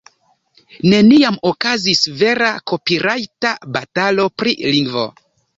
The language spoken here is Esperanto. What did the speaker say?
Neniam okazis vera kopirajta batalo pri lingvo